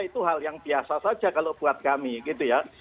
itu hal yang biasa saja kalau buat kami gitu ya